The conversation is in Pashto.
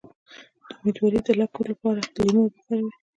د امیدوارۍ د لکو لپاره د لیمو اوبه وکاروئ